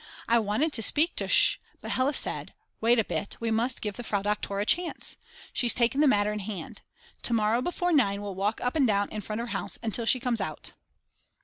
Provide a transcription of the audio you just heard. I wanted to speak to Sch., but Hella said: Wait a bit, we must give the Frau Doktor a chance. She's taken the matter in hand. To morrow before 9 we'll walk up and down in front of her house till she comes out.